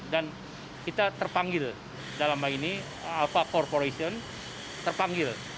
dan kita terpanggil dalam hal ini alfa corporation terpanggil